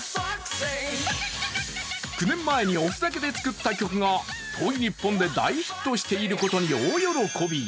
９年前におふざけで作った曲が遠い日本で大ヒットしていることに大喜び。